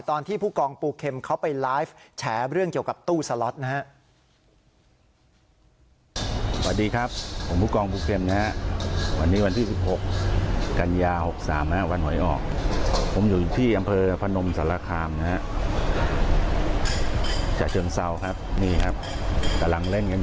ตอนที่ผู้กองปูเข็มเขาไปไลฟ์แฉเรื่องเกี่ยวกับตู้สล็อตนะฮะ